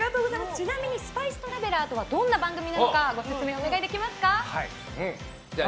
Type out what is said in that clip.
ちなみに「スパイストラベラー」とはどんな番組なのかご説明をお願いできますか？